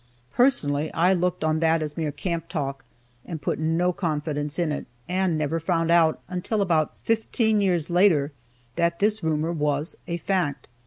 Personally I looked on that as mere "camp talk," and put no confidence in it, and never found out, until about fifteen years later, that this rumor was a fact.